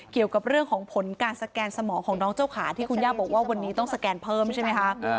เกี่ยวกับเรื่องของผลการสแกนสมองของน้องเจ้าขาที่คุณย่าบอกว่าวันนี้ต้องสแกนเพิ่มใช่ไหมคะ